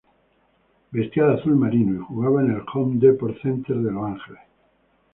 Vestía de azul marino, y jugaba en el Home Depot Center de Los Ángeles.